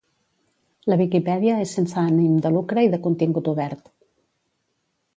La Viquipèdia és sense ànim de lucre i de contingut obert.